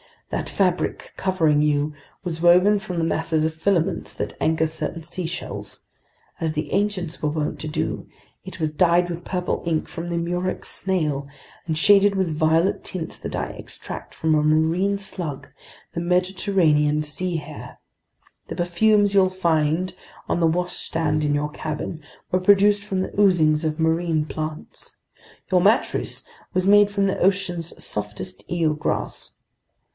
That fabric covering you was woven from the masses of filaments that anchor certain seashells; as the ancients were wont to do, it was dyed with purple ink from the murex snail and shaded with violet tints that I extract from a marine slug, the Mediterranean sea hare. The perfumes you'll find on the washstand in your cabin were produced from the oozings of marine plants. Your mattress was made from the ocean's softest eelgrass.